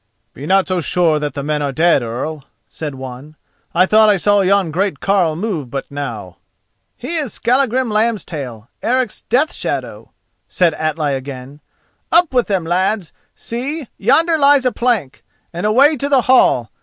"Be not so sure that the men are dead, Earl," said one, "I thought I saw yon great carle move but now." "He is Skallagrim Lambstail, Eric's Death shadow," said Atli again. "Up with them, lads—see, yonder lies a plank—and away to the hall.